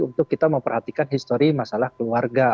untuk kita memperhatikan histori masalah keluarga